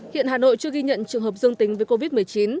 hiện hà nội chưa ghi nhận trường hợp dương tính với covid một mươi chín